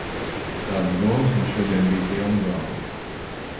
Tādas domas man šodien bija pilna galva.